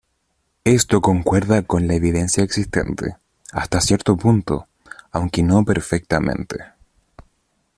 Esto concuerda con la evidencia existente, hasta cierto punto, aunque no perfectamente.